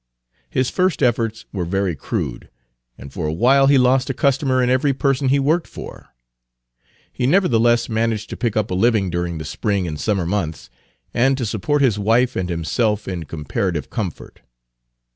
His first efforts were very crude, and for a while he lost a customer in every person he worked for. He nevertheless managed to pick up a living during the spring and summer months, and to support his wife and himself in comparative comfort.